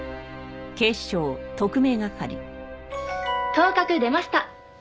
「当確出ました」